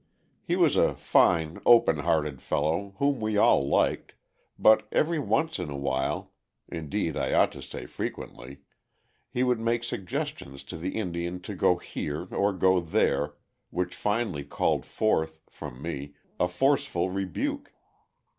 He was a fine, open hearted fellow whom we all liked, but every once in a while indeed, I ought to say frequently he would make suggestions to the Indian to go here, or go there, which finally called forth (from me) a forceful rebuke.